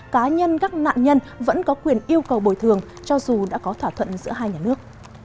cá nhân các nạn nhân vẫn có quyền yêu cầu bồi thường cho dù đã có thỏa thuận giữa hai nhà nước